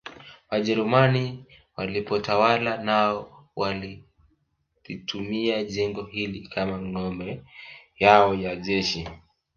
Wajerumani walipotawala nao walilitumia jengo hili kama ngome yao ya jeshi